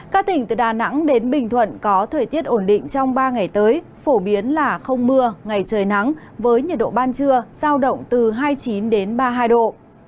các tỉnh từ đà nẵng đến bình thuận có thời tiết ổn định trong ba ngày tới phổ biến là không mưa ngày trời nắng với nhiệt độ ban trưa giao động từ hai mươi chín ba mươi hai độ